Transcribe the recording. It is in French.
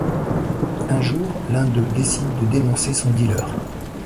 Un jour, l'un d'eux décide de dénoncer son dealer.